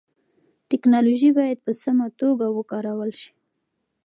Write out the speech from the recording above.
ټیکنالوژي باید په سمه توګه وکارول سي.